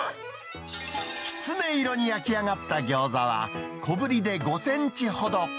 きつね色に焼き上がった餃子は、小ぶりで５センチほど。